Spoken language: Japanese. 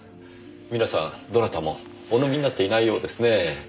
皆さんどなたもお飲みになっていないようですねえ。